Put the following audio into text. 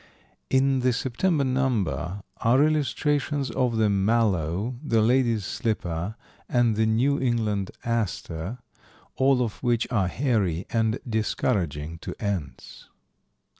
In the September number are illustrations of the mallow, the lady's slipper, and the New England aster, all of which are hairy and discouraging to ants.